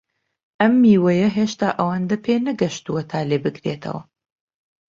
ئەم میوەیە هێشتا ئەوەندە پێنەگەیشتووە تا لێبکرێتەوە.